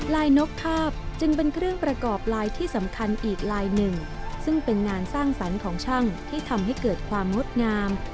นกคาบจึงเป็นเครื่องประกอบลายที่สำคัญอีกลายหนึ่งซึ่งเป็นงานสร้างสรรค์ของช่างที่ทำให้เกิดความงดงาม